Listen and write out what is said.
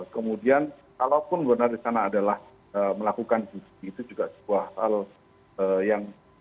kemudian kalaupun benar di sana adalah melakukan cuti itu juga sebuah hal yang